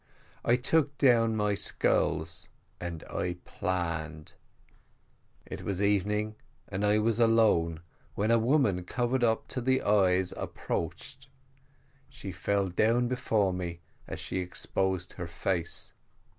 I took down my skulls, and I planned. It was evening, and I was alone, when a woman covered up to the eyes approached; she fell down before me as she exposed her face.